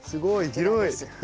広い！